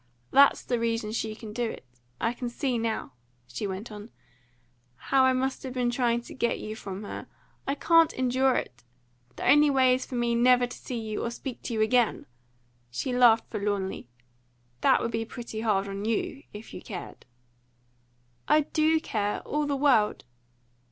That's the reason she can do it. I can see now," she went on, "how I must have been trying to get you from her. I can't endure it! The only way is for me never to see you or speak to you again!" She laughed forlornly. "That would be pretty hard on you, if you cared." "I do care all the world!"